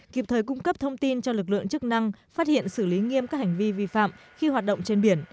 kịp thời cung cấp thông tin cho lực lượng chức năng phát hiện xử lý nghiêm các hành vi vi phạm khi hoạt động trên biển